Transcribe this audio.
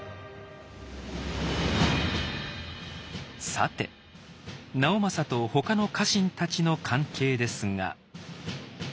さて直政とほかの家臣たちの関係ですが。